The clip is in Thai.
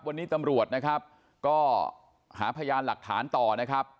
วันนี้ตำรวจนะครับก็หาพยานหลักฐานต่อนะครับ